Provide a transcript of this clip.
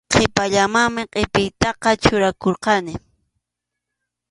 Qhipallamanmi qʼipiytaqa churakurqani.